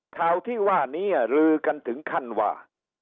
ข่าวที่ว่านี้ลือกันถึงขั้นว่า